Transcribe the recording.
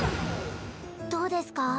どうですか？